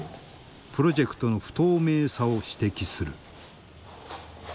プロジェクトの不透明さを指摘する。